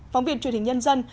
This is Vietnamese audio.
phóng viên truyền hình nhân dân